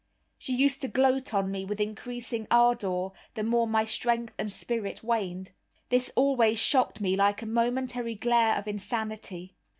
She used to gloat on me with increasing ardor the more my strength and spirits waned. This always shocked me like a momentary glare of insanity.